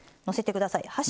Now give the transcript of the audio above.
のせてください。